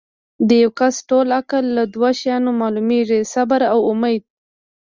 د یو کس ټول عقل لۀ دوه شیانو معلومیږي صبر او اُمید